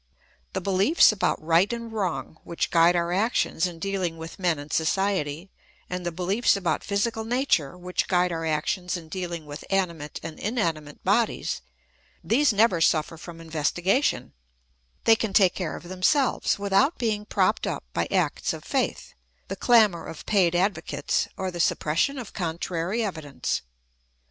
The beliefs about right and wrong which guide our actions in deahng with men in society, and the behefs about physical nature which guide our actions in deahng with animate and inanimate bodies, these never suffer from investigation ; they can take care of themselves, without being propped up by THE ETHICS OF BELIEF. 189 ' acts of faith,' the clamour of paid advocates, or the suppression of contrary evidence.